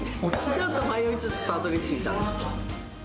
ちょっと迷いつつたどりついたんです。